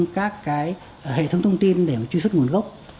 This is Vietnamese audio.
nên các hệ thống thông tin để truy xuất nguồn gốc